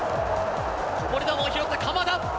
こぼれ球を拾った鎌田。